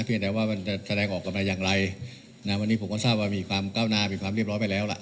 แต่ว่ามันจะแสดงออกกันมาอย่างไรนะวันนี้ผมก็ทราบว่ามีความก้าวหน้ามีความเรียบร้อยไปแล้วล่ะ